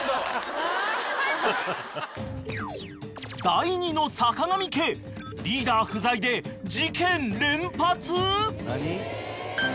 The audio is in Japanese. ［第２の坂上家リーダー不在で事件連発！？］